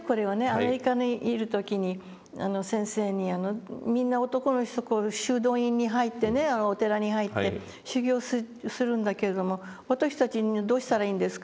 アメリカにいる時に先生に「みんな男の人こう修道院に入ってねお寺に入って修行するんだけれども私たちどうしたらいいんですか？